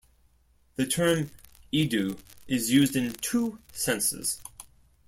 The term "idu" is used in two senses.